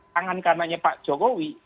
tangan kanannya pak jokowi